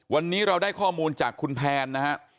วันนี้เราได้ข้อมูลจากคุณแพนนะฮะ